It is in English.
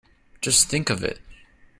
Just think of it!